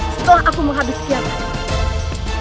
setelah aku menghabiskan tiapan